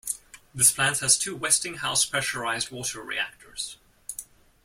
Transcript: This plant has two Westinghouse pressurized water reactors.